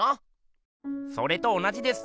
それと同じです。